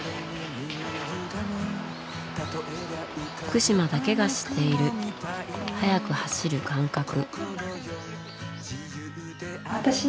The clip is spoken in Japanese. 福島だけが知っている速く走る感覚。